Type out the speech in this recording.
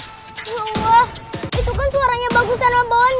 ya allah itu kan suaranya bagus sama bonny